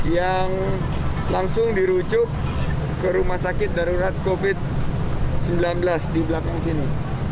yang langsung dirujuk ke rumah sakit darurat covid sembilan belas di belakang sini